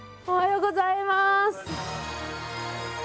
おはようございます。